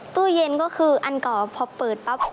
ตู้เย็นก็คืออันเก่าพอเปิดปั๊บ